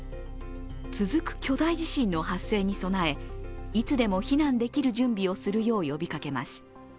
続く巨大地震の発生に備えいつでも避難できる準備をするよう呼びかけます。